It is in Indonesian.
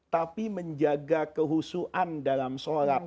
tapi menjaga kehusuhan dalam shalat